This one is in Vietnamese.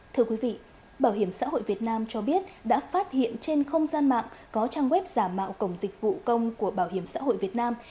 thưa quý vị bảo hiểm xã hội việt nam cho biết đã phát hiện trên không gian mạng có trang web giả mạo cổng dịch vụ công của bảo hiểm xã hội việt nam